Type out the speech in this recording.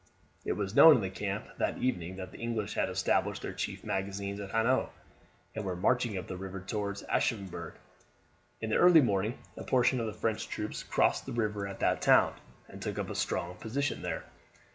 It was known in the camp that evening that the English had established their chief magazines at Hanau, and were marching up the river towards Aschaffenburg. In the early morning a portion of the French troops crossed the river at that town, and took up a strong position there.